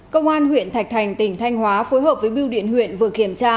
công an huyện thạch thành tỉnh thanh hóa phối hợp với biêu điện huyện vừa kiểm tra